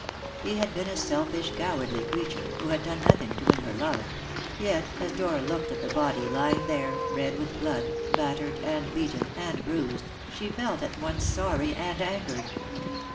He had been a selfish, cowardly creature, who had done nothing to win her love; yet, as Dora looked at the body lying there, red with blood, battered, and beaten, and bruised, she felt at once sorry and angered.